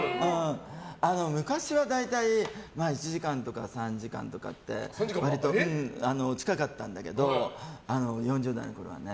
昔は大体１時間とか３時間とかは割と近かったんだけど４０代のころはね。